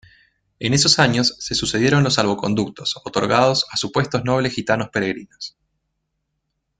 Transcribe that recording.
En esos años se sucedieron los salvoconductos, otorgados a supuestos nobles gitanos peregrinos.